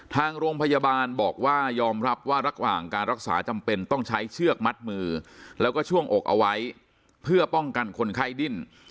ทางโรงพยาบาลบอกว่ายอมรับว่าระหว่างการรักษาจำเป็นต้องใช้เชือกมัดมือแล้วก็ช่วงอกเอาไว้เพื่อป้องกันคนไข้ดิ้น